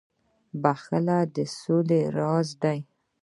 • بخښل د سولي راز دی.